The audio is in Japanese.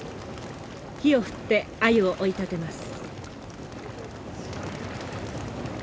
火を振ってアユを追い立てます。